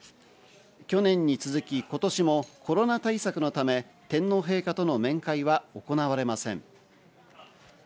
去年に続き今年もコロナ対策のため天皇陛下との面会は行われません。